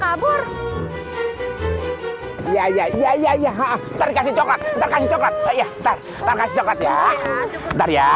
kabur ya ya ya ya ya ya ha terkesi coba terkesi coba saya terkesi coba ya ntar ya